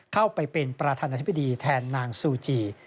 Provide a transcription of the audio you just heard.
เข้าไปเป็นประธานาธิบดีแทนนางซูจี